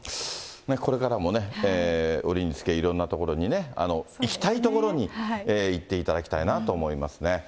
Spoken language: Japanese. これからもね、折につけいろんな所に行きたい所に行っていただきたいなと思いますね。